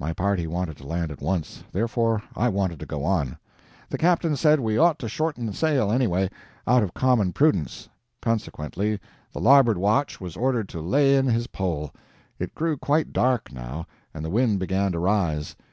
My party wanted to land at once therefore I wanted to go on. The captain said we ought to shorten sail anyway, out of common prudence. Consequently, the larboard watch was ordered to lay in his pole. It grew quite dark, now, and the wind began to rise.